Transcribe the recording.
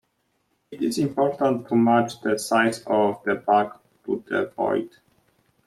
It is important to match the size of the bag to the void.